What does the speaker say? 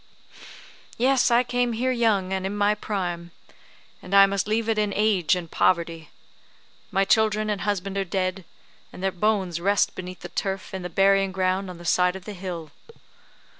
Yes, I came here young, and in my prime; and I must leave it in age and poverty. My children and husband are dead, and their bones rest beneath the turf in the burying ground on the side of the hill.